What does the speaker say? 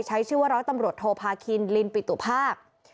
ใช้ชื่อว่าร้อยตำรวจโทพาคินลินปิตุภาค